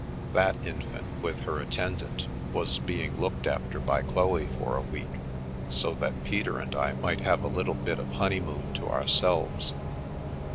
That infant, with her attend ant, was being looked after by Chloe for a week, so that Peter and I might have a little bit of honeymoon to our selves.